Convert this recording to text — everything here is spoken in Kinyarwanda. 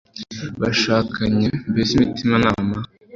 bashakanye? mbese imitima-nama